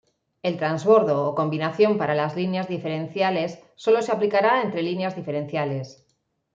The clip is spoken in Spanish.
El transbordo o combinación para las líneas diferenciales sólo se aplicará entre líneas diferenciales.